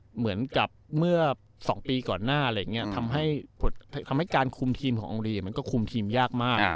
เหมือนกับเมื่อ๒ปีก่อนหน้าอะไรอย่างนี้ทำให้การคุมทีมของอองรีมันก็คุมทีมยากมาก